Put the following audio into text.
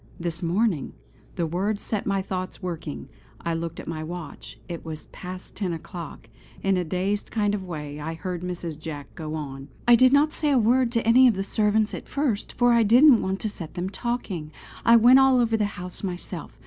This morning! The words set my thoughts working. I looked at my watch; it was past ten o'clock. In a dazed kind of way I heard Mrs. Jack go on. "I did not say a word to any of the servants at first, for I didn't want to set them talking. I went all over the house myself.